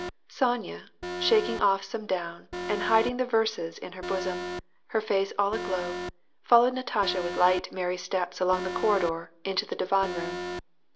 Sonya, shaking off some down, and hiding the verses in her bosom, her face all aglow, followed Natasha with light merry steps along the corridor, into the divan room.